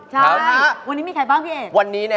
ใช่วันนี้มีใครบ้างพี่เอ๋ย